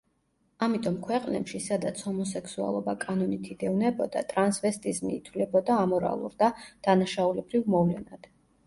ამიტომ ქვეყნებში, სადაც ჰომოსექსუალობა კანონით იდევნებოდა, ტრანსვესტიზმი ითვლებოდა ამორალურ და დანაშაულებრივ მოვლენად.